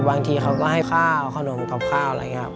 บางทีเขาก็ให้ข้าวขนมกับข้าวอะไรอย่างนี้ครับ